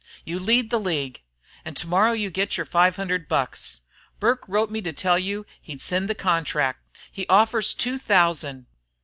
You lead the league. An' tomorrow you git yer five hundred bucks. Burke wrote me to tell you he'd send the contract. He offers two thousand.